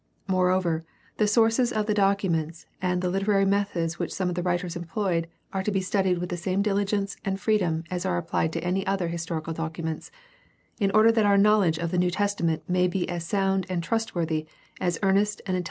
Moreover, the sources of the documents and the Hterary methods which some of the writers employed are to be studied with the same dihgence and freedom as are applied to any other historical documents, in order that our knowledge of the New Testament may be as sound and trustworthy as earnest and intelHgent inquiry can make it.